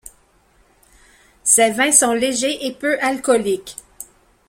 Ses vins sont légers et peu alcooliques.